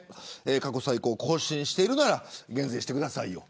過去最高を更新しているなら減税してくださいよ。